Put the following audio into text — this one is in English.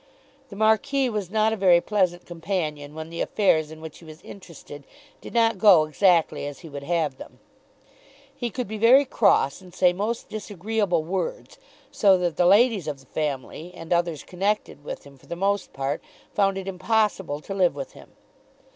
The Marquis was not a very pleasant companion when the affairs in which he was interested did not go exactly as he would have them. He could be very cross and say most disagreeable words, so that the ladies of the family, and others connected with him, for the most part, found it impossible to live with him.